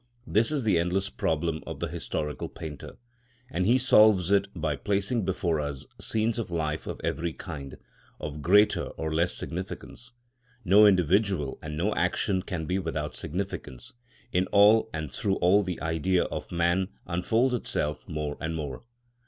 This is the endless problem of the historical painter, and he solves it by placing before us scenes of life of every kind, of greater or less significance. No individual and no action can be without significance; in all and through all the Idea of man unfolds itself more and more.